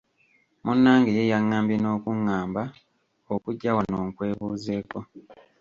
Munnange ye yaŋŋambye n’okuŋŋamba okujja wano nkwebuzeeko.